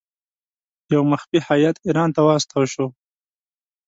یو مخفي هیات ایران ته واستاوه شو.